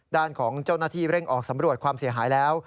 ด้านของเจ้าหน้าที่เร่งออกสำรวจความเสียหายแล้ว